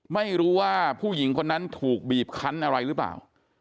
ไม่รู้ว่าผู้หญิงคนนั้นถูกบีบคันอะไรหรือเปล่า